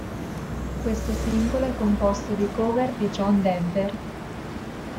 Questo singolo è composto di cover di John Denver.